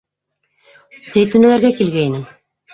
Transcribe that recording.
Зәйтүнәләргә килгәйнем.